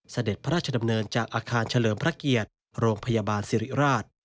เสด็จพระราชดำเนินจากอาคารเฉลิมพระเกียรติโรงพยาบาลสิริราช